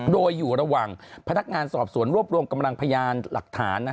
โดยอยู่ระหว่างพนักงานสอบสวนรวบรวมกำลังพยานหลักฐาน